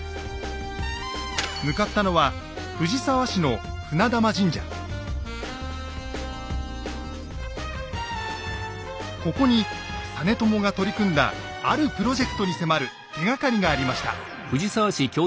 向かったのはここに実朝が取り組んだあるプロジェクトに迫る手がかりがありました。